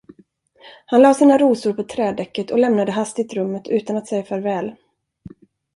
Han lade sina rosor på trädäcket och lämnade hastigt rummet utan att säga farväl.